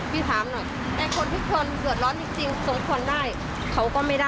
พี่ถามหน่อยไอ้คนทุกคนเดือดร้อนจริงสมควรได้เขาก็ไม่ได้